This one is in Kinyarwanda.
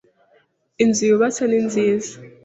Inzu yubatse ni nziza.